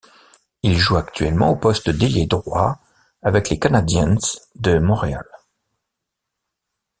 Il joue actuellement au poste d'ailier droit avec les Canadiens de Montréal.